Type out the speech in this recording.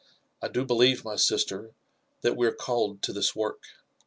I do believe, my sister, that we are called to this work.